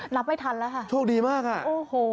รับไม่ทันแล้วค่ะโชคดีมากอ่ะโอ้โห